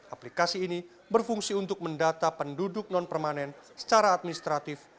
aplikasi ini berfungsi untuk mendata penduduk non permanen secara administratif